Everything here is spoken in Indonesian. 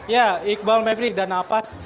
ya iqbal mavri dan nafas